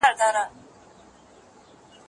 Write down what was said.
که موږ له ماڼۍ څخه ډګر ته وړاندي لاړ نه سو، بد ده.